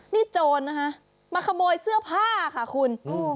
นี่โจรนะคะมาขโมยเสื้อผ้าค่ะคุณ